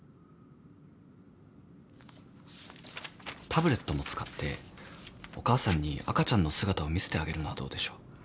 タブレットも使ってお母さんに赤ちゃんの姿を見せてあげるのはどうでしょう？